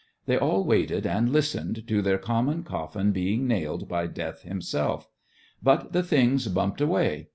They all waited and listened to their common coflBn being nailed by Death himself. But the things bumped away.